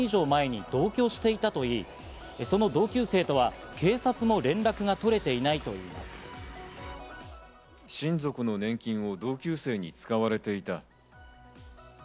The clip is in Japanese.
男はこの中学校の同級生と１０年以上前に同居していたといい、その同級生とは警察も連絡が取れていないと言います。